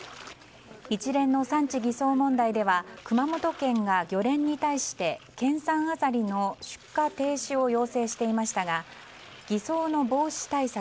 一連の産地偽装問題では熊本県が漁連に対して県産アサリの出荷停止を要請していましたが偽装の防止対策